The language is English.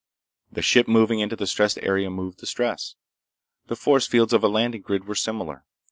The ship moving into the stressed area moved the stress. The force fields of a landing grid were similar.